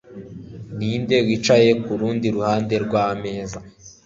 Ninde wicaye kurundi ruhande rwameza?